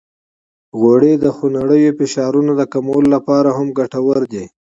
غوړې د خونړیو فشارونو د کمولو لپاره هم ګټورې دي.